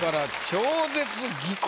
超絶技巧。